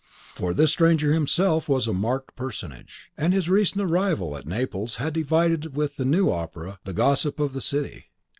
For this stranger himself was a marked personage, and his recent arrival at Naples had divided with the new opera the gossip of the city.